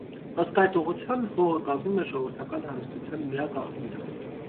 Ըստ այդ ուղղության՝ հողը կազմում է ժողովրդական հարստության միակ աղբյուրը։